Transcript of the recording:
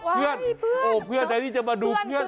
เพื่อนคือตัวงอแล้วอ่ะ